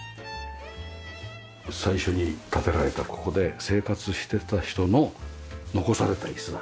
最初に建てられたここで生活してた人の残された椅子だ。